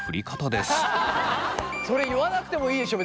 それ言わなくてもいいでしょう。